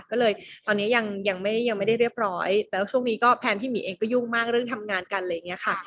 ก็เลยตอนนี้ยังไม่ได้ยังไม่ได้เรียบร้อยแต่ว่าช่วงนี้ก็แพลนพี่หมีเองก็ยุ่งมากเรื่องทำงานกันอะไรอย่างนี้ค่ะ